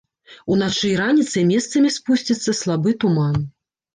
Уначы і раніцай месцамі спусціцца слабы туман.